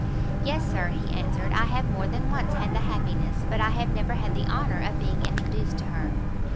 "Yes, Sir," he answered, "I have more than once had that happiness, but I have never had the honour of being introduced to her."